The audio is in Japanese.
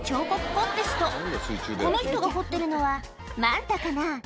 この人が彫ってるのはマンタかな？